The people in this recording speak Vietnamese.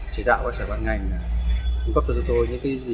chỉ đạo và xã văn ngành cung cấp cho chúng tôi những gì cần thiết